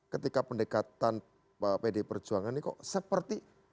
ketika pendekatan pd perjuangan ini kok seperti